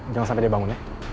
jangan sampai dia bangun ya